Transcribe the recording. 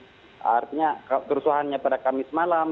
jadi artinya kerusuhannya pada kamis malam